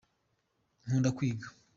Kunda kwiga.